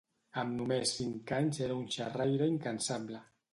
Amb només cinc anys era una xarraire incansable.